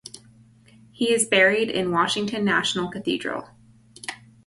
He is buried in Washington National Cathedral.